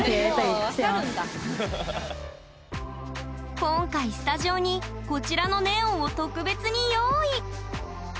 今回スタジオにこちらのネオンを特別に用意！